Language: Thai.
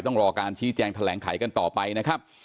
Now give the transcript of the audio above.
ต้องรอการชี้แจงแถลงไขกันต่อไปนะครับ